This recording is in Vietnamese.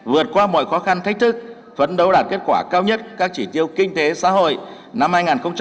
vượt qua mọi khó khăn thách thức phấn đấu đạt kết quả cao nhất các chỉ tiêu kinh tế xã hội năm hai nghìn hai mươi